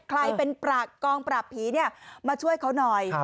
ใครเป็นปรากองปราบผีเนี่ยมาช่วยเขาหน่อย